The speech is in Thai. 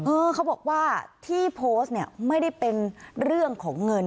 เขาบอกว่าที่โพสต์เนี่ยไม่ได้เป็นเรื่องของเงิน